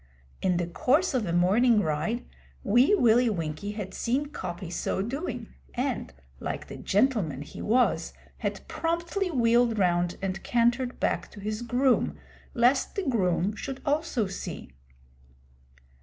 In the course of a morning ride, Wee Willie Winkie had seen Coppy so doing, and, like the gentleman he was, had promptly wheeled round and cantered back to his groom, lest the groom should also see.